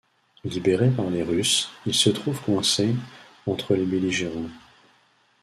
Libéré par les Russes, il se trouve coincé entre les belligérants.